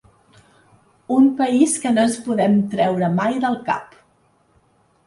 Un país que no ens podem treure mai del cap!